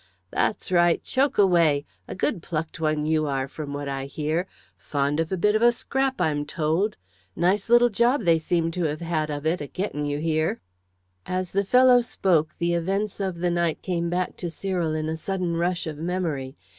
"That's right, choke away! A good plucked one you are, from what I hear. Fond of a bit of a scrap, I'm told. A nice little job they seem to have had of it a getting of you here." As the fellow spoke, the events of the night came back to Cyril in a sudden rush of memory.